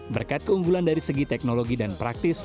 berkat keunggulan dari segi teknologi dan praktis